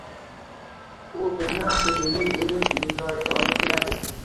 U bizni asta-sekin ilm gulzoriga olib kiradi.